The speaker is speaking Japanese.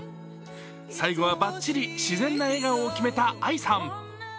最後はばっちり自然な笑顔を決めたＡＩさん。